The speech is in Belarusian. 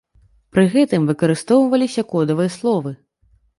Пры гэтым выкарыстоўваліся кодавыя словы.